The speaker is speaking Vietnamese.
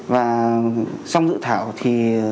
và trong dự thảo thì